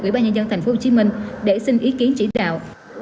quỹ ba nhân dân tp hcm để xin ý kiến chỉ đạo